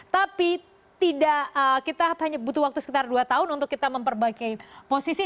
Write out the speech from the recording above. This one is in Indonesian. tapi kita hanya butuh waktu sekitar dua tahun untuk kita memperbaiki posisi